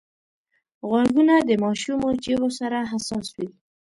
غوږونه د ماشومو چیغو سره حساس وي